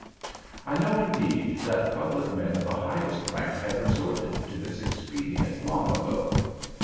I know, indeed, that public men of the highest rank have resorted to this expedient long ago.